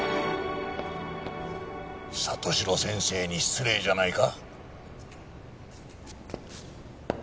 里城先生に失礼じゃないか？